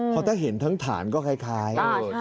พอเธอเห็นทั้งฐานก็คล้าย